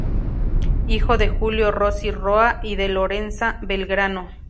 Hijo de Julio Rossi Roa y de Lorenza Belgrano.